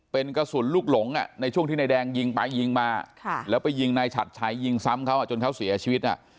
เป็นกระสุนลูกหลงในช่วงที่นายแดงยิงไปยิงมาแล้วไปยิงนายฉัดชัยยิงซ้ำเขาจนเขาเสียชีวิต